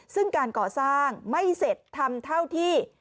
ซึ่งการก่อสร้างไม่เสร็จทำเท่าที่